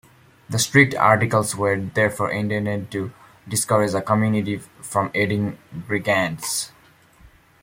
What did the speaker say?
The strict articles were therefore intended to discourage a community from aiding brigands.